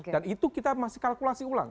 dan itu kita masih kalkulasi ulang